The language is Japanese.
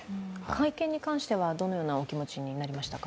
会見にしては、どのようなお気持ちになりましたか？